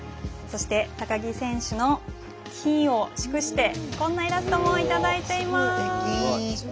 そして、高木選手の金を祝してこんなイラストもいただいています。